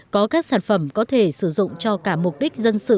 có các sản phẩm có thể sử dụng cho cả mục đích dân sự